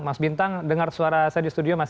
mas bintang dengar suara saya di studio mas